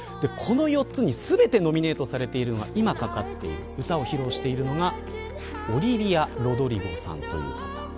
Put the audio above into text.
この４つに全てノミネートされているのが今かかっている歌を披露しているのがオリヴィア・ロドリゴさんという方。